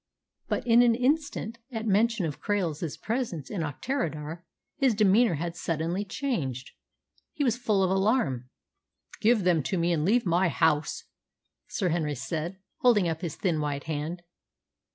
But in an instant, at mention of Krail's presence in Auchterarder, his demeanour had suddenly changed. He was full of alarm. "Give them to me and leave my house," Sir Henry said, holding up his thin white hand.